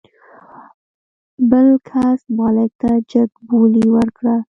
بل کس مالک ته جګ بولي ورکړه.